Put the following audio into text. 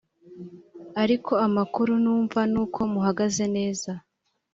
ariko amakuru numva nuko muhagaze neza